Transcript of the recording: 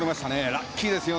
ラッキーですよね。